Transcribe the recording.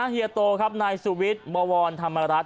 เฮียโตในสวิทเบ้อวอนธรรมรัส